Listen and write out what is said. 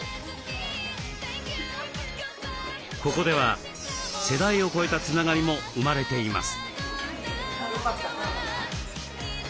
ここでは世代を超えたつながりも生まれています。